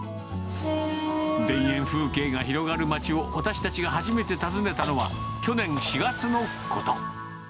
田園風景が広がる町を私たちが初めて訪ねたのは、去年４月のこと。